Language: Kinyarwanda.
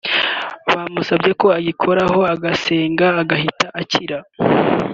Bamusabye ko agikoreho agasenga agahita akira